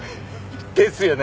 ですよね。